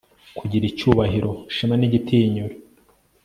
kugira icyubahiro, ishema n'igitinyiro